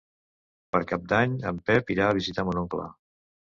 Per Cap d'Any en Pep irà a visitar mon oncle.